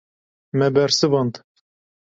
Me bersivand.